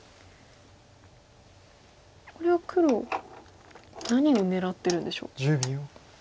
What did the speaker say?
これは黒何を狙ってるんでしょう。